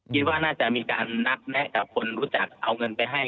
คิดว่าน่าจะมีการนัดแนะกับคนรู้จักเอาเงินไปให้